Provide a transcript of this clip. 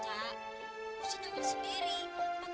paket liang husein sendiri kak